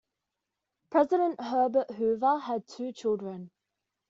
President Herbert Hoover had two children.